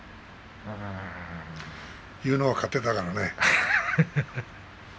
言うのは勝手だからね。